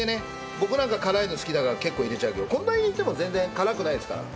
僕なんかは辛いの好きだから結構入れちゃうけどこんなに入れても全然辛くないですから。